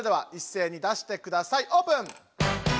オープン！